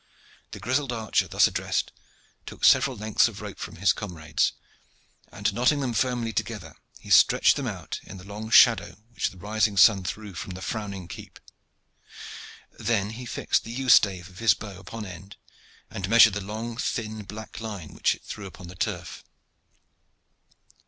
The grizzled archer thus addressed took several lengths of rope from his comrades, and knotting them firmly together, he stretched them out in the long shadow which the rising sun threw from the frowning keep. Then he fixed the yew stave of his bow upon end and measured the long, thin, black line which it threw upon the turf.